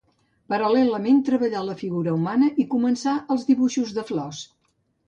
Paral·lelament, treballà la figura humana i començà els dibuixos de flors.